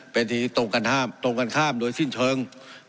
เป็นสิ่งที่ตรงกันข้ามตรงกันข้ามโดยสิ้นเชิง